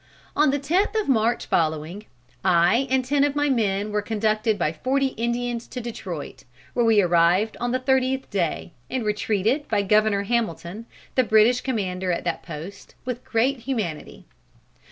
On the tenth of March following, I and ten of my men were conducted by forty Indians to Detroit, where we arrived the thirtieth day, and were treated by Governor Hamilton, the British commander at that post, with great humanity.